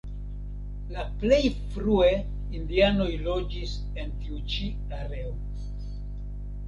La plej frue indianoj loĝis en tiu ĉi areo.